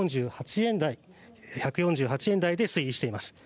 現在は１４８円台で推移しています。